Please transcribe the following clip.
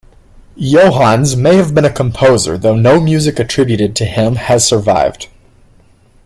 Johannes may have been a composer, though no music attributed to him has survived.